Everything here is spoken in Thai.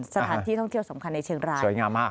สถานที่ท่องเที่ยวสำคัญในเชียงรายสวยงามมาก